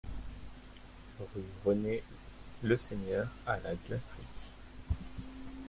Rue René Leseigneur à La Glacerie